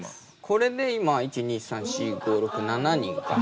これで今１２３４５６７人か。